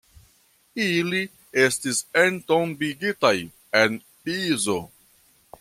Ili estis entombigitaj en Pizo.